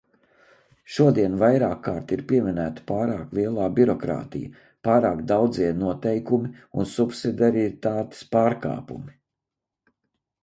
Šodien vairākkārt ir pieminēta pārāk lielā birokrātija, pārāk daudzie noteikumi un subsidiaritātes pārkāpumi.